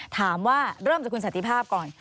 ถามว่าเริ่มจากคุณสันติภาพก่อน